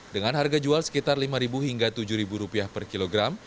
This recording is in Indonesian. dengan harga jual sekitar rp lima hingga rp tujuh per kilogram